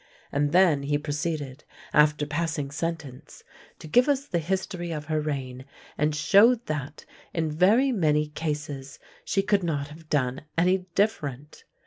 And then he proceeded, after passing sentence, to give us the history of her reign, and showed that, in very many cases, she could not have done any different.